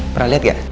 pernah lihat gak